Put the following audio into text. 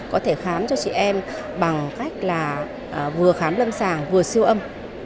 có thể khám cho chị em bằng cách là vừa khám lâm sàng vừa siêu âm